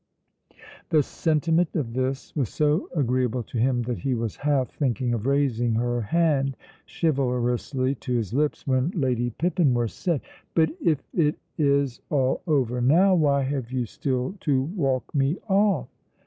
The sentiment of this was so agreeable to him that he was half thinking of raising her hand chivalrously to his lips when Lady Pippinworth said: "But if it is all over now, why have you still to walk me off?"